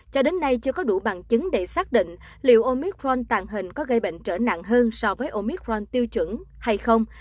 chứng để xác định liệu omicron tàng hình có gây bệnh trở nặng hơn so với omicron tiêu chuẩn hay không